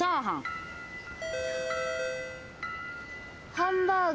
ハンバーグ。